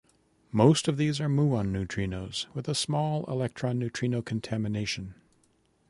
Most of these are muon neutrinos, with a small electron neutrino contamination.